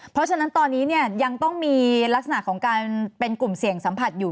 เพราะฉะนั้นตอนนี้เนี่ยยังต้องมีลักษณะของการเป็นกลุ่มเสี่ยงสัมผัสอยู่